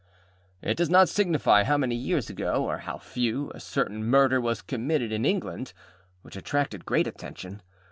It does not signify how many years ago, or how few, a certain murder was committed in England, which attracted great attention.